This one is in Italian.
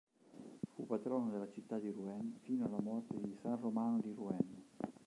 Fu patrono della città di Rouen fino alla morte di san Romano di Rouen.